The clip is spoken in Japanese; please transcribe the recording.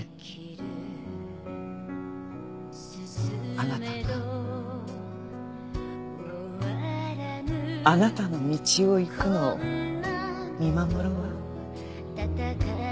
あなたがあなたの道を行くのを見守るわ。